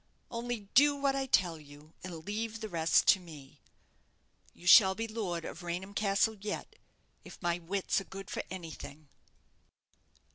Only do what I tell you, and leave the rest to me. You shall be lord of Raynham Castle yet, if my wits are good for anything."